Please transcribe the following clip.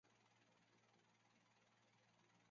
则是食用时把食物蘸进已调味的酱。